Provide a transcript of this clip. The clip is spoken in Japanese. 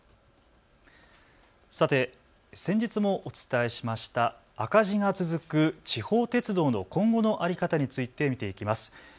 さて、先日もお伝えしました赤字が続く地方鉄道の今後の在り方について見ていきます。